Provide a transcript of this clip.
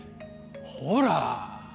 ほら。